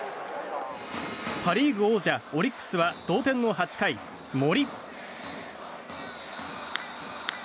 パ・リーグ王者オリックスは同点の８回、森。